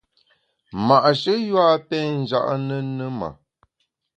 Ma’she yua a pé nja’ ne ne ma !